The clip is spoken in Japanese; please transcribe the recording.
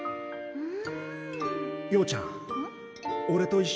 うん！